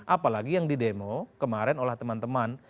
apalagi yang di demo kemarin oleh teman teman